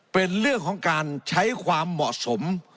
เป็นเรื่องของการใช้ความเหมาะสม